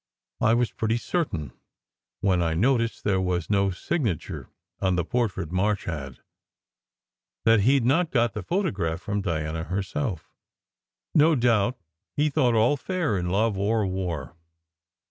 I was pretty certain, when I noticed there was no signature on the portrait March had, that he d not got the photograph from Diana herself. No doubt he thought all fair in love or war."